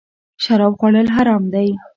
شراب خوړل حرام دی